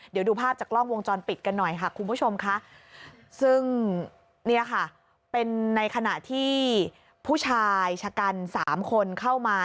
เดี๋ยวดูภาพจากกล้องวงจรปิดกันหน่อยค่ะคุณผู้ชมค่ะซึ่งเนี่ยค่ะเป็นในขณะที่ผู้ชายชะกัน๓คนเข้ามา